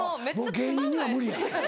芸人には無理や。